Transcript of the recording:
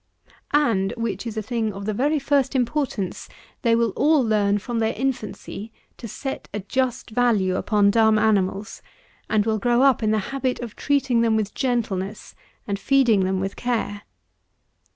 And which is a thing of the very first importance, they will all learn, from their infancy, to set a just value upon dumb animals, and will grow up in the habit of treating them with gentleness and feeding them with care.